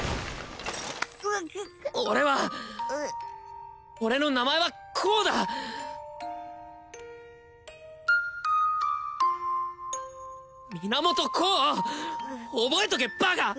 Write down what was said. うぐっ俺は俺の名前は光だ源光覚えとけバカ！